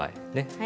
はい。